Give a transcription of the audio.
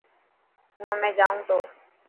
هون همي جانون ٿو.